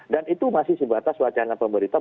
dan itu masih sebatas wacana pemerintah